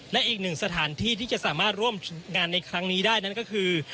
และอีกหนึ่งสถานที่ที่จะสามารถร่วมงานในครั้งนี้ได้นั่นก็คือ